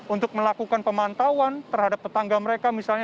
untuk melakukan pemantauan terhadap tetangga mereka misalnya